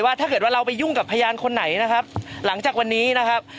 ถ้าเกิดว่าเราไปยุ่งกับพยานคนไหนนะครับหลังจากวันนี้นะครับ